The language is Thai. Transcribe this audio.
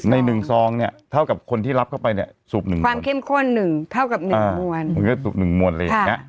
ในหนึ่งซองเนี่ยเท่ากับคนที่รับเข้าไปสูบหนึ่งมวล